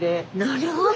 なるほど！